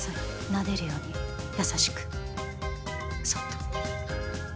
なでるように優しくそっと